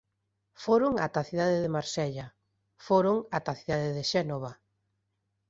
Foron ata a cidade de Marsella; foron ata a cidade de Xénova.